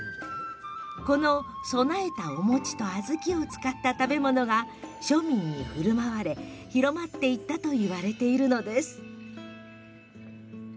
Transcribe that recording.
この供えたお餅と小豆を使った食べ物が庶民にふるまわれ広まっていったといいます。